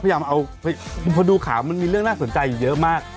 พอดูข่าวมันมีเรื่องน่าสนใจอยู่เยอะมาก